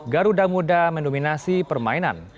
garuda muda mendominasi permainan